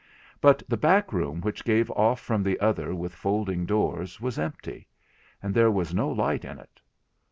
But the back room which gave off from the other with folding doors, was empty; and there was no light in it.